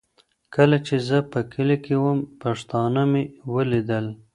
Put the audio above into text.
کله چي زه په کلي کي وم، پښتانه مي ولیدل.